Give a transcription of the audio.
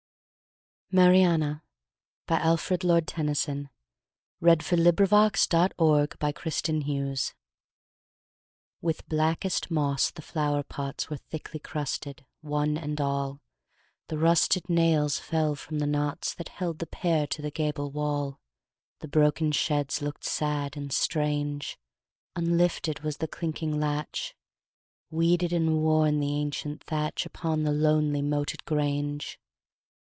One turn down an empty Glass! Alfred Tennyson, Lord Tennyson. 1809 1892 699. Mariana WITH blackest moss the flower plots Were thickly crusted, one and all: The rusted nails fell from the knots That held the pear to the gable wall. The broken sheds look'd sad and strange: Unlifted was the clinking latch; Weeded and worn the ancient thatch Upon the lonely moated grange.